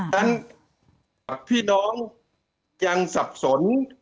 นั้นพี่น้องยังสับสน